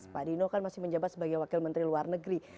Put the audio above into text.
pak dino kan masih menjabat sebagai wakil menteri luar negeri